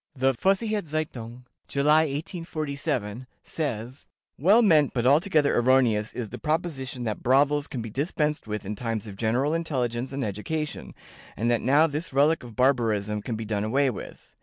The Vossicher Zeitung (July, 1847), says: "Well meant but altogether erroneous is the proposition that brothels can be dispensed with in times of general intelligence and education, and that now this relic of barbarism can be done away with.